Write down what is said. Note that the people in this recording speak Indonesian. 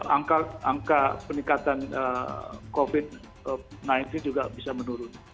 angka peningkatan covid sembilan belas juga bisa menurun